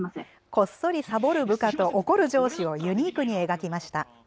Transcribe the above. こっそりサボる部下と怒る上司をユニークに描きました。